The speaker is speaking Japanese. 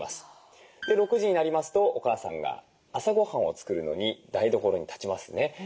６時になりますとお母さんが朝ごはんを作るのに台所に立ちますね。